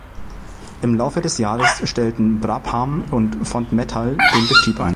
Im Laufe des Jahres stellten Brabham und Fondmetal den Betrieb ein.